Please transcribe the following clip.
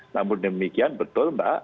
namun demikian betul mbak